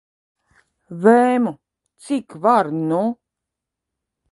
Vēmu. Cik var, nu?